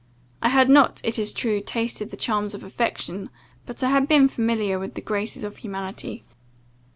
I had not, it is true, tasted the charms of affection, but I had been familiar with the graces of humanity.